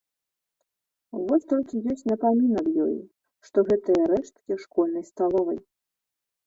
Вось толькі ёсць напамін аб ёй, што гэтыя рэшткі школьнай сталовай.